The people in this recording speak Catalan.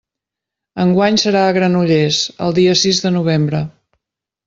Enguany serà a Granollers, el dia sis de novembre.